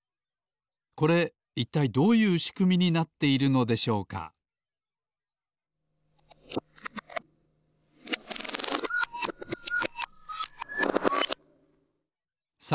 これいったいどういうしくみになっているのでしょうかさ